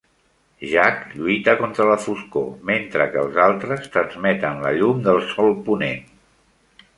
Jack lluita contra la foscor mentre que els altres transmeten la llum del sol ponent.